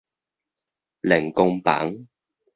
練功房